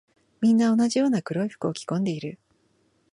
みんな同じような黒い服を着込んでいる。